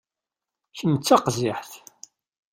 Kemm d taqziḥt.